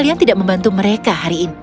dan mereka tidak membantu mereka hari ini